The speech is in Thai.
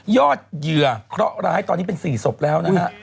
ยอดเยือป้องะร้ายตอนนี้เป็น๔ศพแล้วนะฮะ